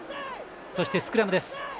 そして、スクラムです。